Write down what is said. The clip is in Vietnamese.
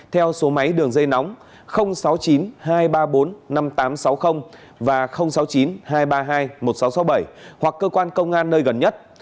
theo số máy đường dây nóng sáu mươi chín hai trăm ba mươi bốn năm nghìn tám trăm sáu mươi và sáu mươi chín hai trăm ba mươi hai một nghìn sáu trăm sáu mươi bảy hoặc cơ quan công an nơi gần nhất